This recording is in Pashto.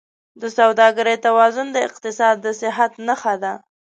د سوداګرۍ توازن د اقتصاد د صحت نښه ده.